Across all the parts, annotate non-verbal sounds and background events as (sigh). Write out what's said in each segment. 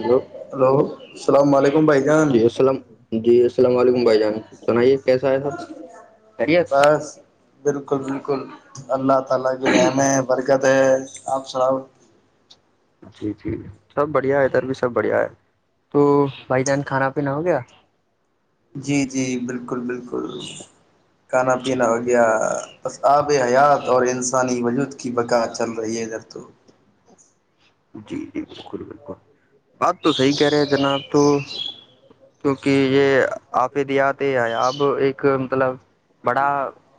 hello hello السلام علیکم بھائی جان جی السلام جی السلام علیکم منبئی جانا تو نہیں بس بالکل بالکل اللہ ت اللہ کی رن ہے برکت ہے آپ سر جی جی جی سب بڑھیا ہے ادھر بھی سب بڑھیا ہے تو بھائی جان کھانا پینا ہو گیا جی جی بالکل بالکل کھانا پینا و گیا بس آب حیات اور انسانی وجود کی بقا چل رہی ہے ادھر تو جی جی بالکل بالکل بات تو صحی کہہ رہے جناب تو کیونکہ یہ آپے دیاتے ہیں اب ایک مطلب بڑا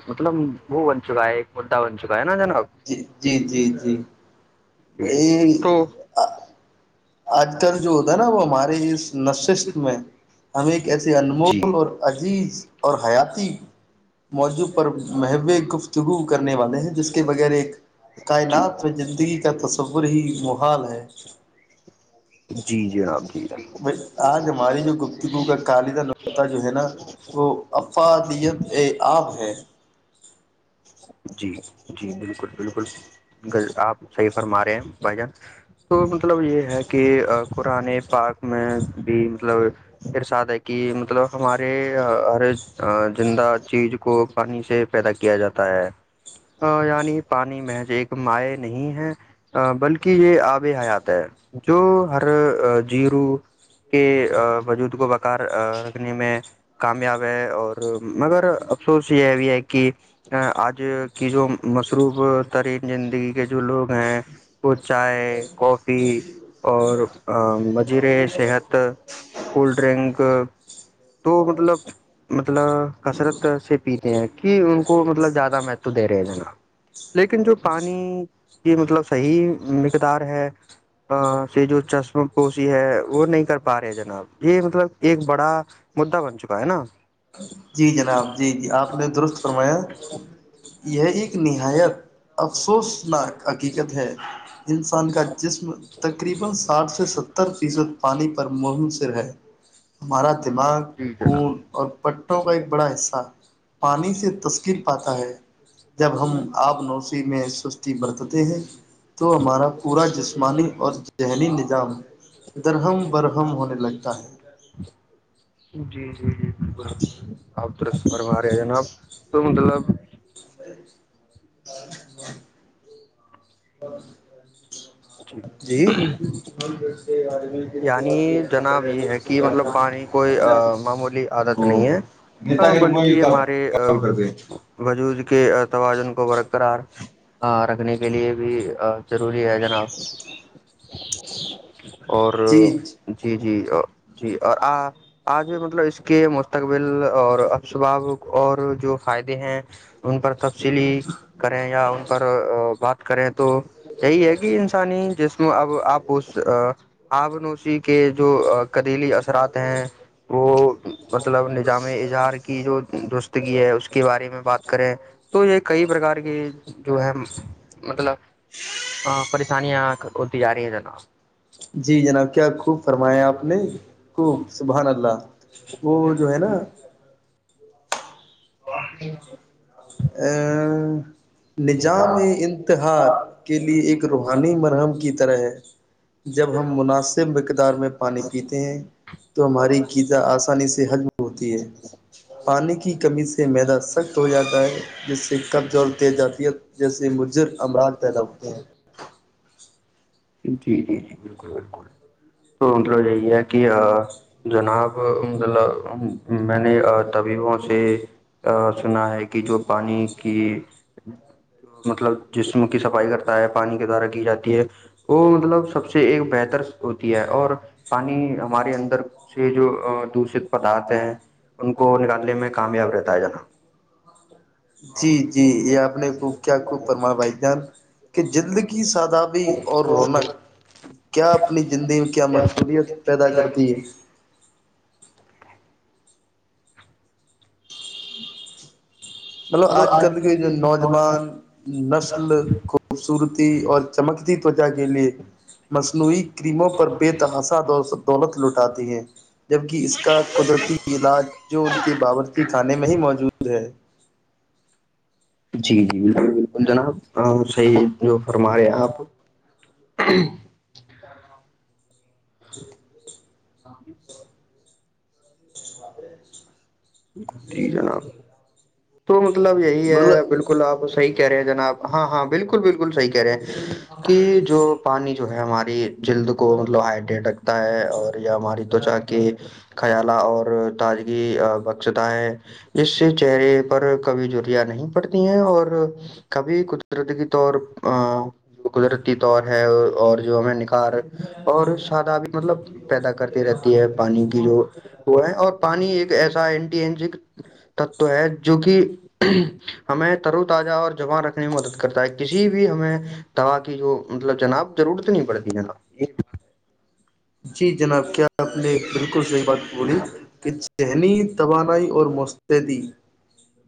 مطلب وہو ب چکا ہے مدا بن چکا ہےا جا جی جی جی جی (unintelligible) دوٹ آج کل جو ہوتا ہے نا وہ ہمارے اس نشست میں ہم ایک ایسے جی انمول اور عزیز اور حیاتی موضوع پر محو گفتگو کرنے والے ہیں جس کے بغیر ایک جی کائنات زندگی کا تصور ہی محال ہے جی جناب جی جناب بھائی آج ہماری جو گفتگو کا خالدہ نطہ جو ہے نا وہ افادیت ا آب ہے (inaudible) جی جی بالکل بالکل گ آپ صحیح فرما رہے ہیں بھائی جان تو مطلب یہ ہے کہ قآانے پاک میں بھی مطلب ارساد ہے کہ مطلب ہمارے ہر زندہ چیز کو پانی سے پیدا کیا جاتا ہے یعنی پانی محض ایک مائع نہیں ہے بلکہ یہ آب حیات ہے جو ہر جیرو کے وجود کو بکار رکھنے میں کامیاب ہے اور مگر افسوس یہ بھی ہے کہ آج کی جو مصروف ترین زندگی کے جو لوگ ہیں وہ چائے کافی اور مجیر صحت کول ڈرنک تو مطلب مطلب کسرت سے پیتے ہیں کہ ان کو مطلب زیادہ مہتو دے رہے ہیں جناب لیکن جو پانی کی مطلب صحیح مقدار ہے سے جو چشم پوسیی ہے وہ نہیں کر پا رہے جناب یہ مطلب ایک بڑا مددا بن چکا ہے نا جی جناب جی جی آپ نے درست فرمایا (unintelligible) یہ ایک نہایت افسوسناک حقیقت ہے جن سے (unintelligible) پانی پر مہن سر ہے ہمارا دماغ جی جناب کڑ اور پٹوں کا ایک بڑا حصہ پانی سے تشکل پاتا ہے جب ہم آب نوشی میں سستی برتتے ہیں تو ہمارا پورا جسمانی اور ذہنی نظام درہم برہم ہونے لگتا ہے جی جی جی (unintelligible) پس پرروااریا جناب تو مطلب (unintelligible) (unintelligible) جی (unintelligible) یعنی جناب یہ ہے کہ مطلب پانی کوئی معمولی عادت نہیں نیتا ہے کے روپ میں بھی بلکہ ہمارے کام کرتے ہیں وجوود کے توازن کو برقرار ہاں رکھنے کے لیے بھی ضروری ہے جناب اور جی جی ہ ا (unintelligible) جی اور آ آج بھی مطب ملب اس کے مستقبل اور اسباب اور جو فائدے ہیں ان پرب سلی کریں یا ان پر بات کریں تو یہی ہے کہ انسانی جسم اب آپ اس آب نوشی کے جو قدیلی اثرات ہیں وہ مطلب نظام اظہار کی جو دورستگی ہے اس کے بارے میں بات کریں تو یہ کئی پرکار کی جو ہے مطلب پریشانیاں ہوتی جا رہی ہیں جنا جی جناب کیا خوب فرمایا آپ نے خوب سبحان اللہ وہ جو ہے نا و (inaudible) ا نظام جناب انتحاد کے لئے ایک روحانی مرحم کی طرح ہے جب ہم مناسب مقدار میں پانی پیتے ہیں تو ہماری گیذا آسانی سے حجم ہوتی ہے پانی کی کمی سے میدہ سخت ہو جاتا ہے جس سے قبض دیے جاتی ہے جیسے مجر امراض پیدا ہوتے ہیں جی جی جی بالکل بالکل تو مطلب یہی ہے کہ جناب مطلب میں نے طبیبوں سے کرنا ہے کہ جو پانی کہ جو مطلب جسم کی صفائی کرتا ہے پانی کے دوارا کی جاتی ہے وہ مطلب سب سے ایک بہتر ہوتی ہے اور پانی ہمارے اندر سے جو دشت پدارتھ ہیں ان کو نکالنے میں کامیاب رہتا بتایا جانا جی جی یہ آپ نے خ کیا خب پرمان بھائی جان کہ جند کی سادابی اور رونق کیا اپنی زندگی میں کیا مقصولیت پیدا کرتی ہے مطلب آج کل کے جو نوجوان نسل خوبصورتی اور چمکتی توچا کے لیئے مصنوعی کریموں پر بےتحاسا دولت لوٹ آی ہے جب کہہ اس کا قدرتی علاج جو ان کے باورچی خانے میں ہی موجود ہے جی جی بالکل بالکل جناب اور صحیح جو فرما رہے آپ ج جناب تو مطلب یہی ہے مطلب بالکل آپ صحی کہہ رہے ہیں جناب ہاں ہاں بالکل بالکل صحیحہ رہے ہیں کہ جو پانی جو ہے ہماری جلد کو مطلب ہائڈٹ تا ہے اور یہ ہماری توچا کے خیالا اور تازگی بق تا ہے ج سے چہرے پر کبھی جریا نہیں پڑتی ہیں اور کبھی قدرتی طور قدرتی طور ہے اور جو ہمیں نکھار اور سادہ بھی مطلب پیدا کرتی رہتی ہے پانی کی جو ہے اور پانی ایک ایسا ان تت ہے جو کہ ہمیں ترو تازہ اور جما رکھنے میں مدد کرتا ہے کسی بھی ہمیں دوا کی جو مطلب جناب ضرورت نہیں پڑتی ہے ن جی جناب کیا آپ نے بالکل صحیح بات وہڑی کچ ذہنی توانائی اور مستعدی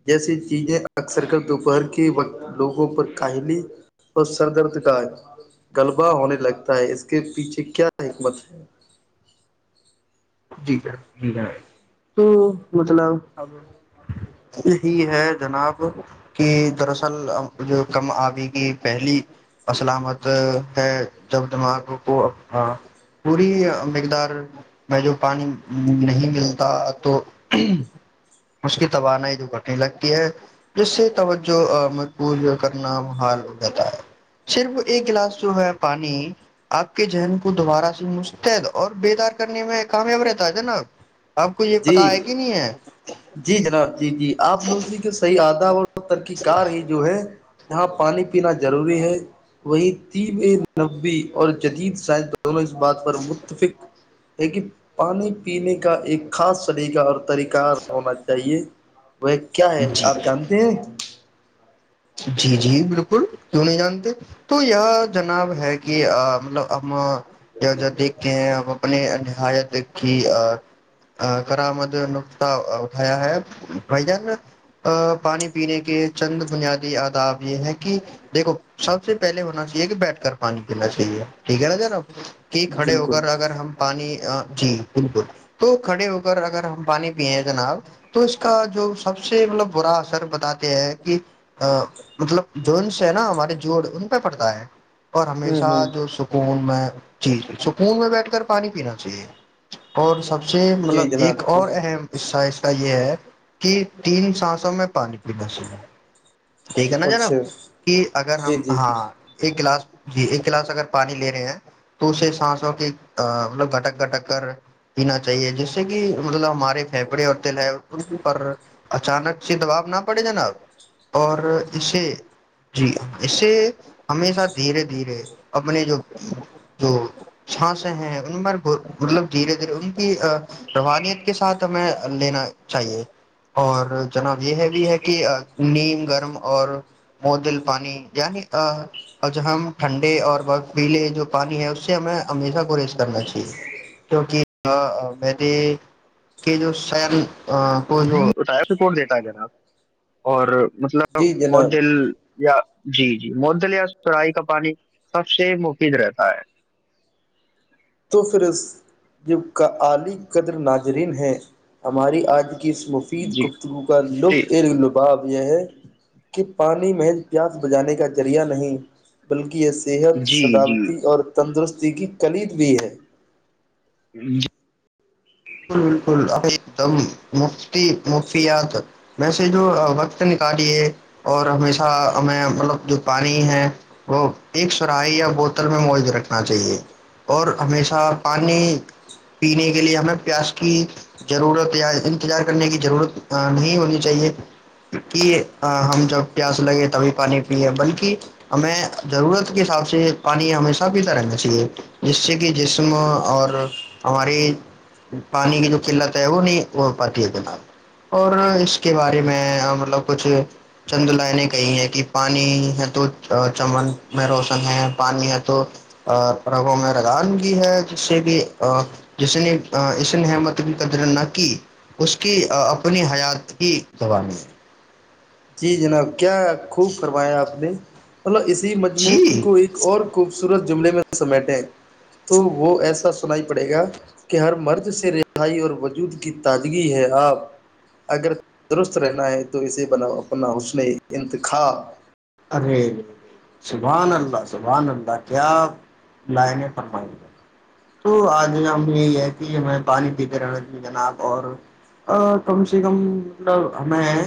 جیسی چیزیں اکثر کر دوپہر کے وقت لوگوں پر کاہلی اور سر درد کا غلبہ ہونے لگتا ہے اس کے پیچھے کیا حکمت ہے اھ (inaudible) جی س جی تو مطلب اب یہی ہے جناب کہ دراصل جو کم آبی کی پہلی اسلامت ہے جب دماغ کو پوری مقدار میں جو پانی نہیں ملتا تو اس کی توانائی جو گٹنے لگتی ہے جس سے توجہ مجبور کرنا محال ہو جاتا ہے صرف ایک گلاس جو ہے پانی آپ کے ذہن کو دوبارہ سے مستعد اور بیدار کرنے میں کامیاب رہتا جناب آپ کو یہ جی پتا ہے کہ نہیں ہے جی جناب جی جی آپ نوزی کے صحیح اعدا و ترقی کار ہی جو ہے جہاں پانی پینا ضروری ہے وہیں ت نبے اور جدید سائز دونوں اس بات پر متفق ہے کہ پانی پینے کا ایک خاص طریقہ اور طریقہ ہونا چاہیے وہ کیا ہے جی آپ جانتے ہیں جی جی بالکل کیوں نہیں جانتے تو یہ جناب ہے کہ مطلب ہمب جو جو دیکھتے ہیں ا اپنے نہایت کی کرامد نقطہ اٹھایا ہے بھائی جان پانی پینے کے چند بنیاد آدا آپ یہ ہے کہ دیکھو سب سے پہلے ہونا چاہیے کہ بیٹھ کر پانی پینا چاہیے ٹھیک ہے نا نااب کہ کھڑے ہو بالکل کر اگر ہم پانی جی بالکل تو کھڑے ویر اگر ہم پانی پیے ہیں جناب تو اس کا جو سب سے مطلب برا اثر بتاتے ہیں کہ مطلب جو انس ہے نا ہمارے جوڑ ان پہ پڑتا ہے اور ہوں ہمیشہ ہوں جو سکون میں جی جی سکون میں بیٹھ کر پانی پینا چاہیے اور سب سب سے مطلب جی جناب ایک جی اور اہم حصہ ہے یہ ہے کہ تین سانسوں میں پانی پینا چاہیے یہی ہےنا جناب اچھا کہ اگر جی ہم جی ہاں ایک کلاس جی ایک گلاس اگر پانی لے رہے ہیں تو اسے سانس و کے مطب گھٹک گھٹک کر پینا چاہیے جس سے کہ مطلب ہمارے پھیپڑے اور لٹ پر اچانک سے دباب نہ پڑے ج نب اور اسے جی اسے ہمیشہ دھیرے دھیرے اپنے جو جو سھانسیں ہیں ان پر مطلب دھیرے دھیرے ان کی روانیت کے ساتھ ہمیں لینا چاہیے اور جناب یہ بھی ہے کہ نی گرم اور مل پانی یعنی ہم ٹھنڈے اور بر پیلے جو پانی ہے اس سے ہمیں ہمیشہ گرییز کرنا چاہیے کیک مے کے جو کوتا ہے ج اور مطلب جی م جناب دل یا جی جی مدل یا سرائی کا پانی سب سے مفید رہتا ہے تو پھر اس جب کا اعلی قدر ناظرین ہے ہماری آج اس مفید جی گفتگو کا جی لطف ار لباب یہ ہے کہ پانی محض پیاس بجانے کا ذریعہ نہیں بلکہ اس صحت جی جی سداوتی اور تندرست ج کی کلی بھی ہے ہوں بالکل بالکل ایک دم مفتی مففیات میں سے جو وقت نکالیے اور ہمیشہ ہمیں مطلب جو پانی ہے وہ ایک سراہی یا بوتل میں موجود رکھنا چاہیے اور ہمیشہ پانی پینے کے لیے ہمیں پیاس کی ضرورت یا انتظار کرنے کی ضرورت نہیں ہونی چاہیے کہ ہم جب پیاس لگے تبھی پانی پیے بلکہ ہمیں ضرورت کے حساب سے پانی ہمیشہ پیتا رہنا چاہیے جس سے کہ جسم اور ہماراری پانی کی جو قلت ہے وہ نہیں ہو پاتی ہے کے بعد اور اس کے بارے میں مطلب کچھ چند لائن کہئی ہیں کہ پانی ہے تو چمن میں روشن ہے پانی ہے تو رگوں میں رگان بھی ہے جس سے کہ جس نے اسن ہممت کی قدر نہ کی اس کی اپنی حیات ہی دبانی ہے جی جناب کیا خوب فرمایا آپ نے مطلب اسی مجمون جی کو ایک اور خوبصور ور جملے میں سمیٹیں تو وہ ایسا سنائی پڑے گا کہ ہر مرض سے رہائی اور وجود کی تازگی ہے آپ اگرندرست رہنا ہے تو اسے بناؤ آ اپنا اس نے انتخاب ارے سبحان اللہ سبحان اللہ کیا لائن ہے فرمائی گے تو آج ہم یہی ہے کہ ہمیں پانی پیتے رہنے چے جناب اور کم سے کم مطلب ہمیں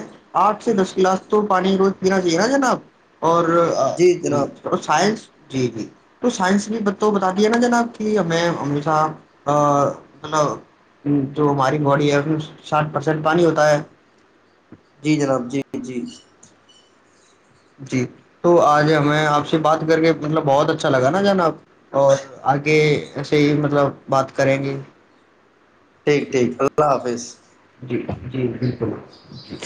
آٹھ سے دس کلاس تو پانی روز پین چاہے نا جناب اور جی سائنس جی جی تو سائنس بھی تو بتا دیا نا جنا کہ ہمیں ہمیشہ مطلب جو ہماری باڈی ہے اس میں ساٹ پرسینٹ پانی ہوتا ہے جی جناب جی جی جی تو آج ہمیں آپ سے بات کر کے مطلب بہت اچھا لگ نا جان آپ اور آگے ایسے ہی مطلب بات کریں گے ٹھیک ٹھیک جی اللہ حافظ جی جی بالکل جی